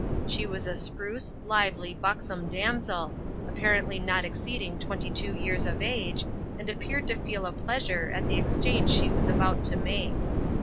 She was a spruce, lively, buxom damsel, apparently not exceeding twenty two years of age, and appeared to feel a pleasure at the exchange she was about to make.